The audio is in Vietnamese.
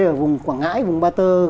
ở vùng quảng ngãi vùng ba tơ